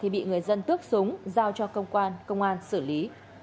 bị người dân tước súng giao cho công an xử lý